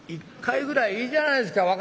「１回ぐらいいいじゃないですか。